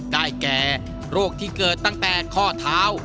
ได้แก่โรคที่เกิดตั้งแต่ข้อเท้า